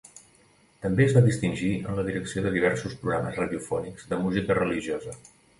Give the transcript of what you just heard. També es va distingir en la direcció de diversos programes radiofònics de música religiosa.